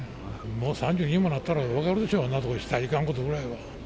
もう３２にもなったら、分かるでしょ、あんなとこでしたらいかんことぐらいは。